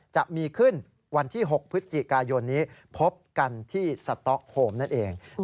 จะมีขึ้นวันที่๖พฤศจิกายนนี้พบกันที่สต๊อกโฮมนั่นเอง